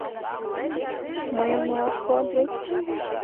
— Мыйым налаш толат вет?